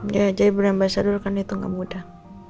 ya jadi brand ambasador kan itu gak mudah